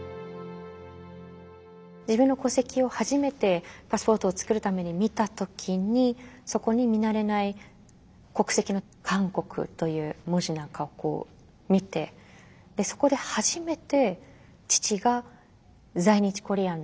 自分の戸籍を初めてパスポートを作るために見た時にそこに見慣れない国籍の韓国という文字なんかを見てそこで初めて父が在日コリアンだったということを知ったんですよね。